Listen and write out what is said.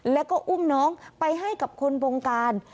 แล้วก็อุ้มน้องไปให้กับคนวงการ